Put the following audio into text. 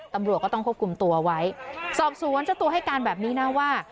ตำรวจก็ต้องควบคุมตัวไว้สอบสวนเจ้าตัวให้การแบบนี้นะว่า